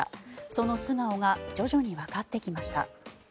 その素顔が徐々にわかってきました。